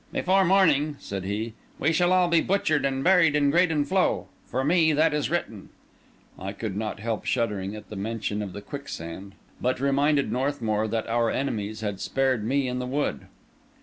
"Before morning," said he, "we shall all be butchered and buried in Graden Floe. For me, that is written." I could not help shuddering at the mention of the quicksand, but reminded Northmour that our enemies had spared me in the wood.